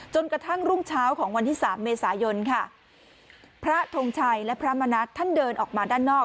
กระทั่งรุ่งเช้าของวันที่สามเมษายนค่ะพระทงชัยและพระมณัฐท่านเดินออกมาด้านนอก